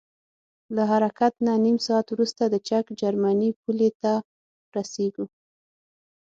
له حرکت نه نیم ساعت وروسته د چک جرمني پولې ته رسیږو.